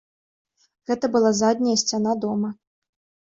Гэта была задняя сцяна дома.